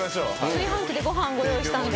炊飯器でご飯ご用意したんで。